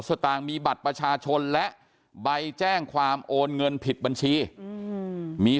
สตางค์มีบัตรประชาชนและใบแจ้งความโอนเงินผิดบัญชีมี